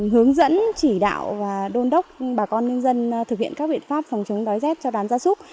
hướng dẫn chỉ đạo và đôn đốc bà con nhân dân thực hiện các biện pháp phòng chống đói rét cho đàn gia súc